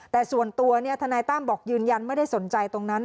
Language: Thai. แต่ส่วนตัวทนายตั้มบอกยืนยันไม่ได้สนใจตรงนั้น